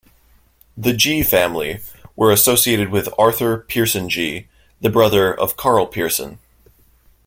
The Gee family were associated with Arthur Pearson-Gee, the brother of Karl Pearson.